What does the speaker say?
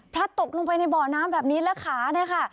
ตกลงไปในบ่อน้ำแบบนี้แล้วขาเนี่ยค่ะ